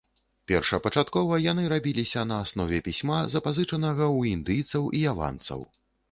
Першапачаткова яны рабіліся на аснове пісьма, запазычанага ў індыйцаў і яванцаў.